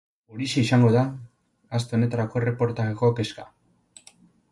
Horixe izango da aste honetako erreportajeko kezka.